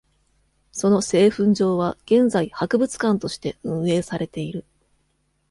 その製粉場は現在博物館として運営されている。